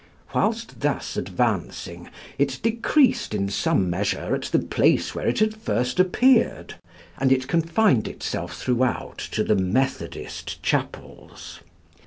Whilst thus advancing, it decreased in some measure at the place where it had first appeared, and it confined itself throughout to the Methodist chapels.